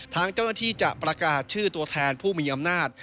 ทางเจ้าหน้าที่จะประกาศชื่อตัวแทนผู้มีอำนาจ